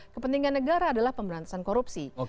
kepentingan negara adalah pemberantasan korupsi